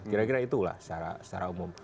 kira kira itulah secara umum